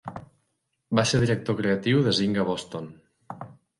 Va ser director creatiu de Zynga Boston.